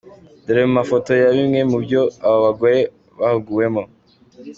Dore mu mafoto ya bimwe mu byo abo bagore bahuguwemo .